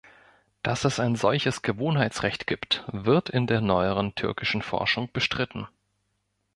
Dass es ein solches Gewohnheitsrecht gibt, wird in der neueren türkischen Forschung bestritten.